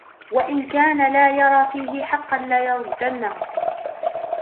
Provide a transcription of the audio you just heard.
وَإِنْ كَانَ لَا يَرَى فِيهِ حَقًّا لَيَرُدَّنَّهُ